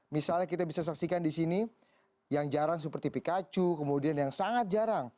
misalnya kita bisa saksikan di sini yang jarang seperti pikachu kemudian yang sangat jarang